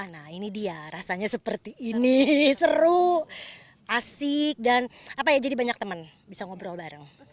nah ini dia rasanya seperti ini seru asik dan apa ya jadi banyak teman bisa ngobrol bareng